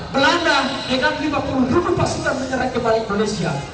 belanda dengan lima puluh ribu pasukan menyerah kembali ke indonesia